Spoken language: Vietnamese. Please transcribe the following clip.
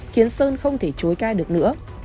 khiến sơn không thể chối cai được nữa